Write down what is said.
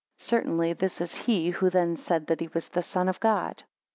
Certainly, this is he, who then said, that he was the Son of God.